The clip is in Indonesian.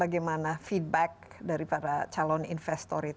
bagaimana feedback dari para calon investor itu